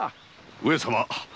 上様。